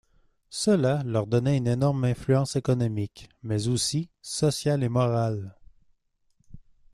Cela leur donnait une énorme influence économique mais aussi sociale et morale.